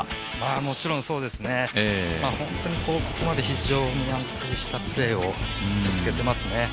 もちろんそうですね、本当にここまで非常に安定したプレーを続けていますね。